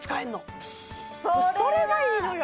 それがいいのよ！